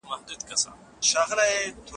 د بابا صاحب میلې وحشت خوړلي